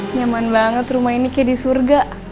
nyaman banget rumah ini kayak di surga